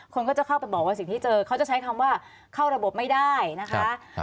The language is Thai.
คนก็จะเข้าไปบอกว่าสิ่งที่เจอเขาจะใช้คำว่าเข้าระบบไม่ได้นะคะ